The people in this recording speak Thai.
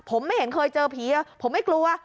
ผมไม่เห็นเคยเจอผีผมไม่กลัว